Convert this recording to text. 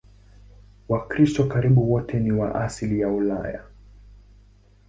Wakristo karibu wote ni wa asili ya Ulaya.